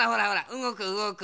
うごくうごく。